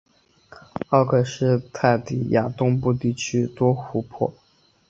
奥克施泰提亚东部地区多湖泊。